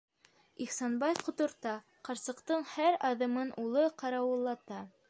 Ихсанбай ҡоторта, ҡарсыҡтың һәр аҙымын улы ҡарауыллата.